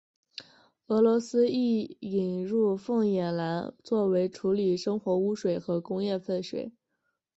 俄罗斯亦引入凤眼蓝作为处理生活污水和工业废水。